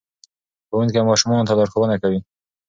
ښوونکی ماشومانو ته لارښوونه کوي.